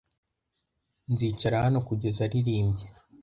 Nzicara hano kugeza aririmbye.